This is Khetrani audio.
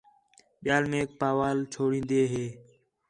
ٻِیال میک پاوال چھوڑین٘دی ہی